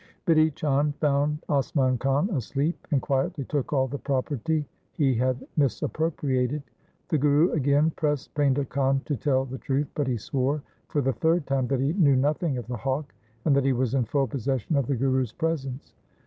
Bidhi Chand found Asman Khan asleep, and quietly took all the property he had misappropriated. The Guru again pressed Painda Khan to tell the truth, but he swore for the third time that he knew nothing of the hawk, and that he was in full posses sion of the Guru's presents.